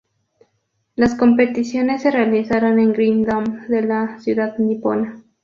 Las competiciones se realizaron en el Green Dome de la ciudad nipona.